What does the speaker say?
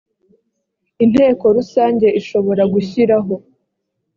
inteko rusange ishobora gushyiraho